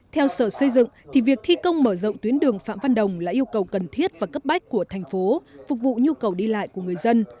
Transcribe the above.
theo sở xây dựng thì việc thi công mở rộng tuyến đường phạm văn đồng là yêu cầu cần thiết và cấp bách của thành phố phục vụ nhu cầu đi lại của người dân